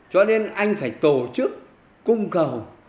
cho nên anh phải tổ chức cung cầu